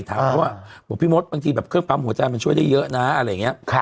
ถามว่าพี่มดบางทีแบบเครื่องปั๊มหัวใจมันช่วยได้เยอะนะอะไรอย่างนี้